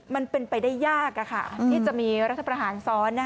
มันเป็นไปได้ยากที่จะมีรัฐประหารซ้อน